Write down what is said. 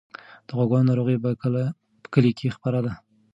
د غواګانو ناروغي په کلي کې خپره ده.